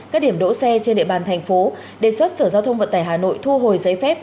các điểm đỗ xe trên địa bàn thành phố đề xuất sở giao thông vận tải hà nội thu hồi giấy phép